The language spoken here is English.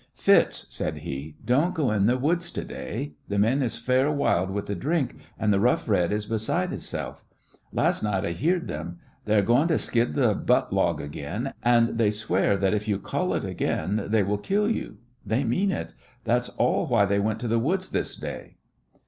"Fitz," said he, "don't go in th' woods to day. The men is fair wild wid th' drink, and th' Rough Red is beside hi'self. Las' night I heerd them. They are goin' to skid the butt log again, and they swear that if you cull it again, they will kill you. They mean it. That's all why they wint to th' woods this day."